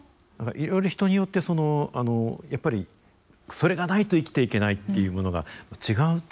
いろいろ人によってそのやっぱりそれがないと生きていけないっていうものが違うと思いますのでね。